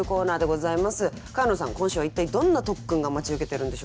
今週は一体どんな特訓が待ち受けてるんでしょうか。